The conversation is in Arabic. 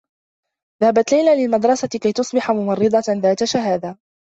ذهبت ليلى للمدرسة كي تصبح ممرّضة ذات شهادة.